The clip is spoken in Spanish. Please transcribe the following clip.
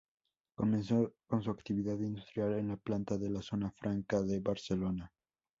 Comenzó con su actividad industrial en la planta de la Zona Franca de Barcelona.